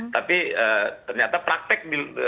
tapi ternyata praktek